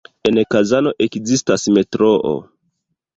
En Kazano ekzistas metroo.